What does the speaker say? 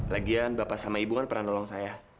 lagian bapak sama ibu kan pernah nolong saya